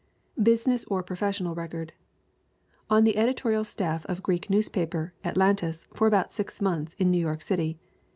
Business or professional record: On the editorial staff of Greek newspaper Atlantis for about six months in New York City.